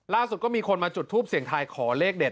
ล่าสุดก็มีคนมาจุดทูปเสียงทายขอเลขเด็ด